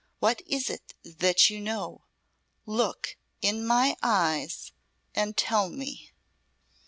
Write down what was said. What is it that you know. Look in my eyes and tell me."